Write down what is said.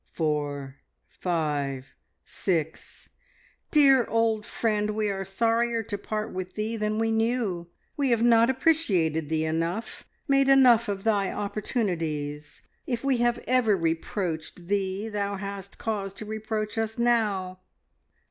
Four, five, six Dear old friend, we are sorrier to part with thee than we knew! We have not appreciated thee enough, made enough of thy opportunities. If we have ever reproached thee, thou hast cause to reproach us now.